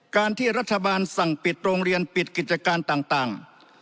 การที่รัฐบาลสั่งปิดโรงเรียนปิดกิจการต่าง